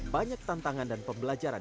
banyak tantangan dan pembelajaran